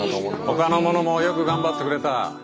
ほかの者もよく頑張ってくれた。